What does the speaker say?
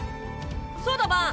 そうだバン。